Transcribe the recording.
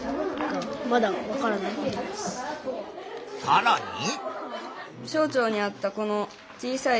さらに。